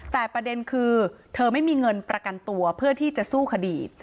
แต่ประเด็นคือเธอไม่มีเงินประกันตัวเพื่อที่จะสู้คดี